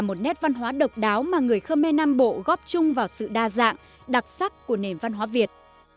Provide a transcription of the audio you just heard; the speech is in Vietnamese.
một nét văn hóa độc đáo mà người khơ me nam bộ góp chung vào sự đa dạng đặc sắc của nền văn hóa việt